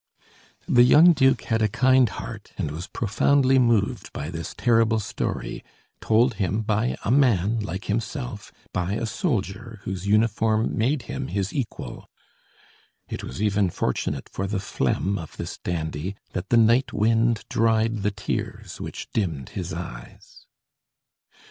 The young duke had a kind heart and was profoundly moved by this terrible story, told him by a man like himself, by a soldier whose uniform made him his equal. It was even fortunate for the phlegm of this dandy, that the night wind dried the tears which dimmed his eyes.